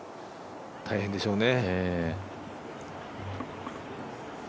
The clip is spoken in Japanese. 大変でしょうね。